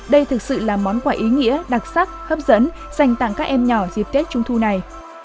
đây thực sự là món quà ý nghĩa đặc sắc hấp dẫn dành tặng các em nhỏ dịp tết trung thu này